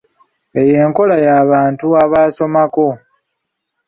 Eyo enkola ya bantu abaasomako.